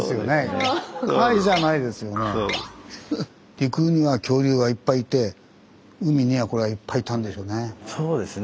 陸には恐竜がいっぱいいて海にはこれがいっぱいいたんでしょうね。